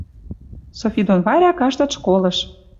Софи дон Варя каштыт школыш: